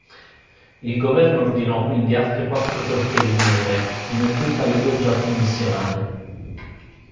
Il governo ordinò quindi altre quattro torpediniere, in aggiunta alle due già commissionate.